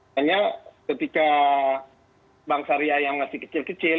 hanya ketika bank syariah yang masih kecil kecil